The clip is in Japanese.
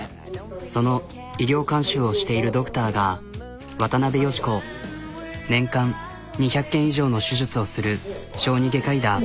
その医療監修をしているドクターが年間２００件以上の手術をする小児外科医だ。